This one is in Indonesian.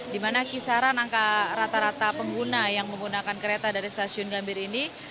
di mana kisaran angka rata rata pengguna yang menggunakan kereta dari stasiun gambir ini